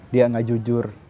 dia gak jujur